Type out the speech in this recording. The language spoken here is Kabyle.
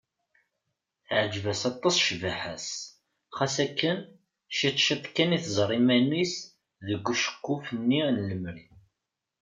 Teɛǧeb-as aṭas cbaḥa-s, xas akken ciṭ ciṭ kan i tẓerr iman-is deg uceqquf-nni n lemri.